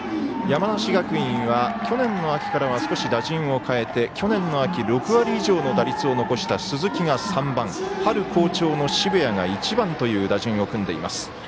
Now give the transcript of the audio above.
山梨学院は去年の秋からは少し打順を変えて去年の秋６割以上の打率を残した鈴木が３番春好調の澁谷が１番という打順を組んでいます。